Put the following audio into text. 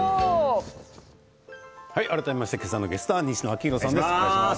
改めまして今朝のゲストは西野亮廣さんです。